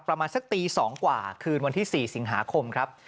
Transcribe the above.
ประมาณสักตี๒กว่าคืนวันที่๔สิงหาคมครับ